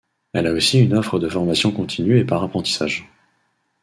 Elle a aussi une offre de formation continue et par apprentissage.